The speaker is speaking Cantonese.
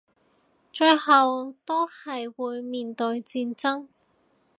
最後都係會面對戰爭